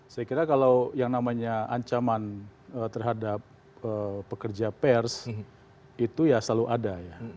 saya kira kalau yang namanya ancaman terhadap pekerja pers itu ya selalu ada ya